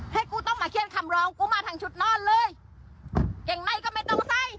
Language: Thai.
ให้กูต้องมาเขียนคำร้องกูมาทางชุดนอนเลยเก่งในก็ไม่ต้องใส่